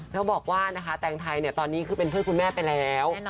แล้วบอกว่านะคะแตงไทยตอนนี้คือเป็นเพื่อนคุณแม่ไปแล้ว